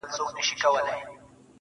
o مینه چي مو وڅاڅي له ټولو اندامو.